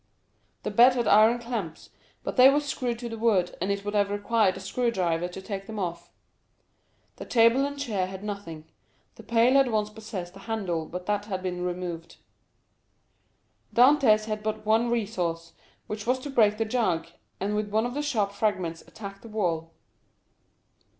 The bed had iron clamps, but they were screwed to the wood, and it would have required a screw driver to take them off. The table and chair had nothing, the pail had once possessed a handle, but that had been removed. 0189m Dantès had but one resource, which was to break the jug, and with one of the sharp fragments attack the wall.